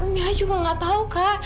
mila juga gak tau kak